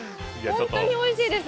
ホントにおいしいです。